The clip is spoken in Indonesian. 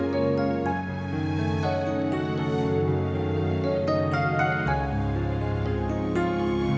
kalau aku gak bisa seperti apa yang kamu harapin